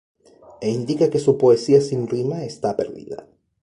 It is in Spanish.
E indica que su poesía sin rima está perdida.